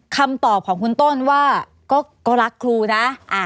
คำตอบของคุณต้นว่าก็รักครูนะ